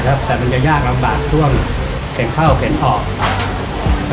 แล้วแต่มันจะยากลำบากช่วงเข็นเข้าเข็นออก